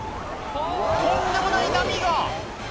とんでもない波が！